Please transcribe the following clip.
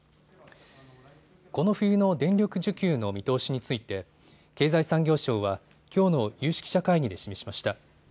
この冬の電力需給の見通しについて経済産業省はきょうの有識者会議で示しました。